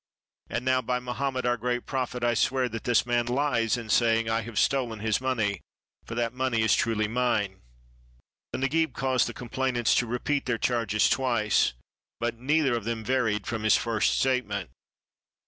And now, by Mohammed, our great Prophet, I swear that this man lies in saying that I have stolen his money, for that money is truly mine." The Nagib caused the complainants to repeat their charges twice, but neither of them varied from his first statement.